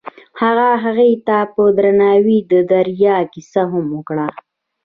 هغه هغې ته په درناوي د دریا کیسه هم وکړه.